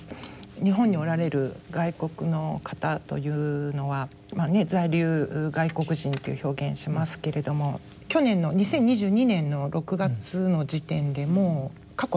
日本におられる外国の方というのは在留外国人という表現しますけれども去年の２０２２年の６月の時点でも過去最多なんですよね。